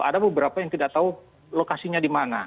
ada beberapa yang tidak tahu lokasinya di mana